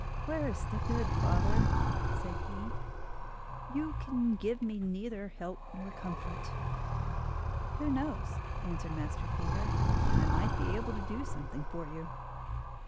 "Where is the good, father?" said he. "You can give me neither help nor comfort." "Who knows?" answered Master Peter. "I might be able to do something for you.